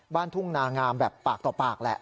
ทุ่งนางามแบบปากต่อปากแหละ